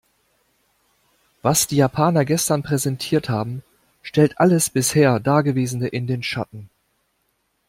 Was die Japaner gestern präsentiert haben, stellt alles bisher dagewesene in den Schatten.